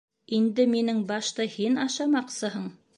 Инде минең башты һин ашамаҡсыһың?